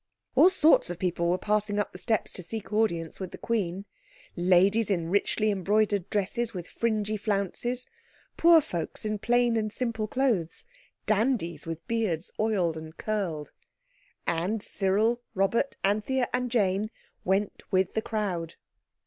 All sorts of people were passing up the steps to seek audience of the Queen. Ladies in richly embroidered dresses with fringy flounces, poor folks in plain and simple clothes, dandies with beards oiled and curled. And Cyril, Robert, Anthea and Jane, went with the crowd.